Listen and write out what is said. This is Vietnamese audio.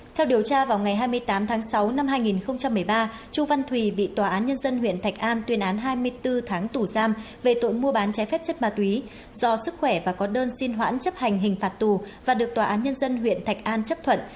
theo điều tra vào ngày hai mươi tám tháng sáu năm hai nghìn một mươi ba chu văn thùy bị tòa án nhân dân huyện thạch an tuyên án hai mươi bốn tháng tù giam về tội mua bán trái phép chất ma túy do sức khỏe và có đơn xin hoãn chấp hành hình phạt tù và được tòa án nhân dân huyện thạch an chấp thuận